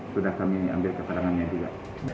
sudah kami ambil keterangannya juga